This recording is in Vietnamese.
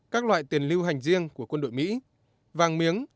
các loại tiền lưu hành riêng của quân đội mỹ vàng miếng